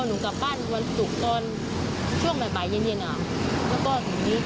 หนูกลับบ้านวันศุกร์ตอนช่วงบ่ายเย็นแล้วก็หนูยื้อ